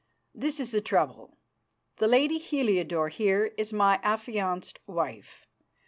This is the trouble. The lady Heliodore here is my affianced wife.